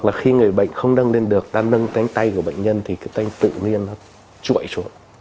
và khi người bệnh không nâng lên được ta nâng tay của bệnh nhân thì cái tay tự nhiên nó chuội xuống